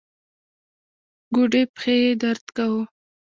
ګوډې پښې يې درد کاوه.